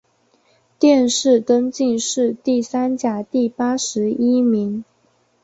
殿试登进士第三甲第八十一名。